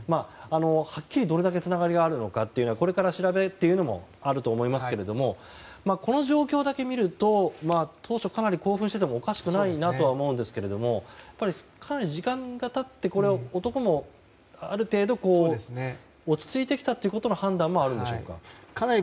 はっきり、どれだけつながりがあるのかというのはこれから調べもあると思いますがこの状況だけ見ると当初、かなり興奮しててもおかしくないなとは思うんですけどもかなり時間が経って男も、ある程度落ち着いてきたという判断もあるんでしょうか。